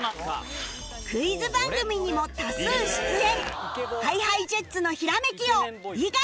クイズ番組にも多数出演